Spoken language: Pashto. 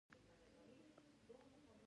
افغانستان کې د کابل سیند په هنر کې منعکس کېږي.